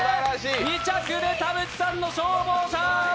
２着で田渕さんの消防車。